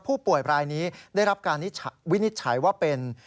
ผู้ป่วยรายนี้ได้รับการวินิจฉัยว่าเป็น